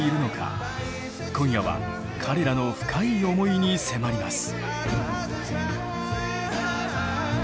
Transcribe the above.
今夜は彼らの深い思いに迫ります。